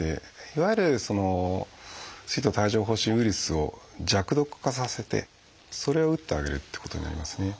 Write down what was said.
いわゆるその水痘・帯状疱疹ウイルスを弱毒化させてそれを打ってあげるってことになりますね。